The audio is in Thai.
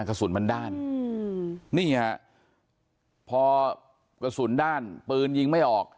กระสุนมันด้านอืมนี่ฮะพอกระสุนด้านปืนยิงไม่ออก